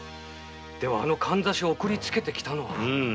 ではあのカンザシを送りつけてきたのは？